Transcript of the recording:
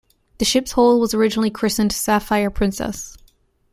The ship's hull was originally christened "Sapphire Princess".